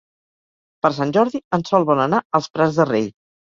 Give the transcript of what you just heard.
Per Sant Jordi en Sol vol anar als Prats de Rei.